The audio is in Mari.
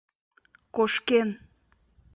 Кошкен.